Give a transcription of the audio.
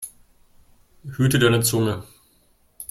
Hüte deine Zunge!